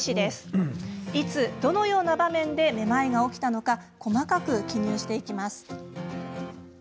いつどのような場面でめまいが起きたのか細かく記入していきます。